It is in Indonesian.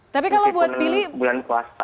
tapi kalau buat pilih bulan puasa